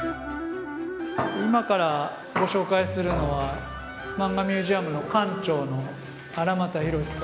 今からご紹介するのはマンガミュージアムの館長の荒俣宏さんなんですけども。